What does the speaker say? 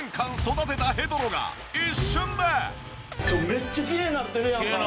めっちゃきれいになってるやんか！